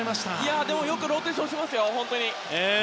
でもよくローテーションしてますよ。